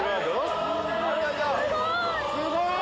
すごい！